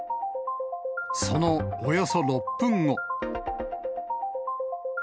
そのおよそ６分後。